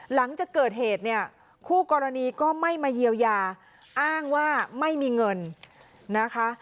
หลังจากเกิดเหตุเนี่ยคู่กรณีก็ไม่มาเยียวยาอ้างว่าไม่มีเงินนะคะ